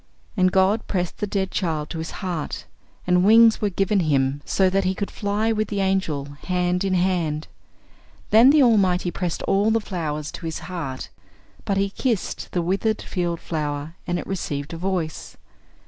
And God pressed the dead child to His heart, and wings were given him so that he could fly with the angel, hand in hand. Then the Almighty pressed all the flowers to His heart; but He kissed the withered field flower, and it received a voice.